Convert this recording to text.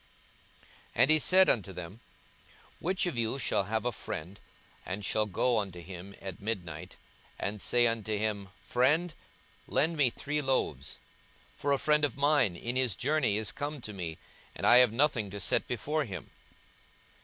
42:011:005 And he said unto them, Which of you shall have a friend, and shall go unto him at midnight, and say unto him, Friend, lend me three loaves; 42:011:006 For a friend of mine in his journey is come to me, and I have nothing to set before him?